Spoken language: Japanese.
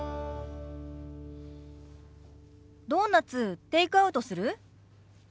ドーナツテイクアウトする？